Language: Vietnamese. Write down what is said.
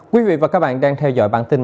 quý vị và các bạn đang theo dõi bản tin